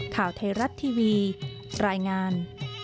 ข่าวไทยรัฐทีวีรายงาน